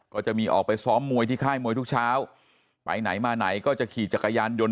ก็จะมีออกไปซ้อมมวยที่ค่ายมวยทุกเช้าไปไหนมาไหนก็จะขี่จักรยานยนต